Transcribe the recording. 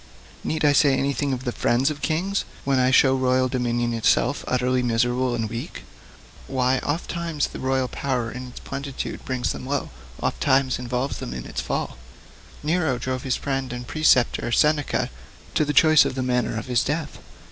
Need I say anything of the friends of kings, when I show royal dominion itself so utterly and miserably weak why ofttimes the royal power in its plenitude brings them low, ofttimes involves them in its fall? Nero drove his friend and preceptor, Seneca, to the choice of the manner of his death.